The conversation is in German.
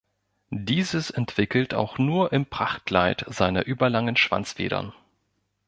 Dieses entwickelt auch nur im Prachtkleid seine überlangen Schwanzfedern.